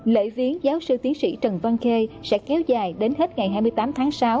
lễ viếng giáo sư tiến sĩ trần văn khê sẽ kéo dài đến hết ngày hai mươi tám tháng sáu